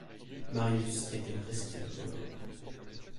Marius était resté dehors.